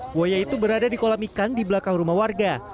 buaya itu berada di kolam ikan di belakang rumah warga